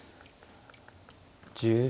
１０秒。